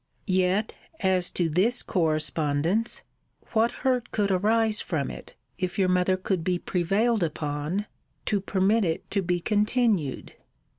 Yet, as to this correspondence, What hurt could arise from it, if your mother could be prevailed upon to permit it to be continued?